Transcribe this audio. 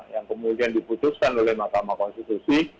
yang kemudian diputuskan oleh mahkamah konstitusi